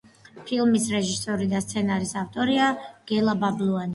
ფილმის რეჟისორი და სცენარის ავტორია გელა ბაბლუანი.